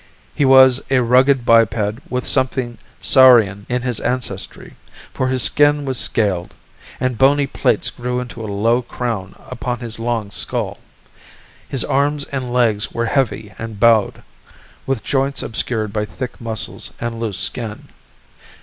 He was a rugged biped with something saurian in his ancestry; for his skin was scaled, and bony plates grew into a low crown upon his long skull. His arms and legs were heavy and bowed, with joints obscured by thick muscles and loose skin.